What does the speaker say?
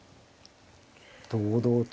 堂々と。